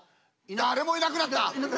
誰もいなくなった。